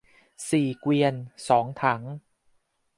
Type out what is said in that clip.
สี่เกวียน สองถัง